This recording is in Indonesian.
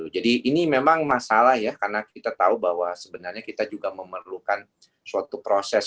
jadi ini memang masalah ya karena kita tahu bahwa sebenarnya kita juga memerlukan suatu proses